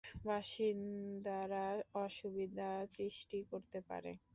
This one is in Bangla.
বাসিন্দারা অসুবিধা সৃষ্টি করতে পারে।